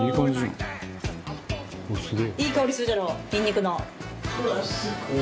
いい香りするじゃろニンニクの。